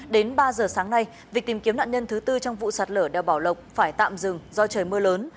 đến ba giờ sáng nay việc tìm kiếm nạn nhân thứ tư trong vụ sạt lở đeo bảo lộc phải tạm dừng do trời mưa lớn